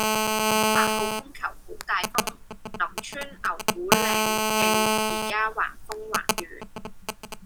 八號風球好大風，林村牛牯嶺徑依家橫風橫雨